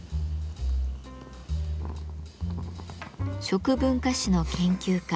食文化史の研究家